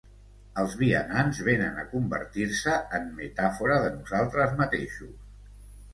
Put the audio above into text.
Els vianants vénen a convertir-se en metàfora de nosaltres mateixos.